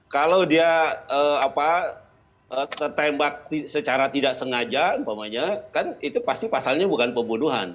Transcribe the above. kalau dia tertembak secara tidak sengaja kan itu pasti pasalnya bukan pembunuhan